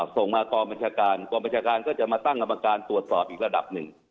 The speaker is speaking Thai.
ส่งมากรมจาการกรมจาการก็จะมาตั้งอำนาจการตรวจสอบอีกระดับหนึ่ง